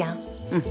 うん。